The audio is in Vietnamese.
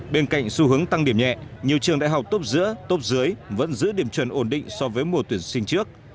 bên cạnh xu hướng tăng điểm nhẹ nhiều trường đại học tốt giữa tốp dưới vẫn giữ điểm chuẩn ổn định so với mùa tuyển sinh trước